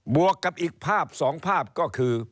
วกกับอีกภาพสองภาพก็คือ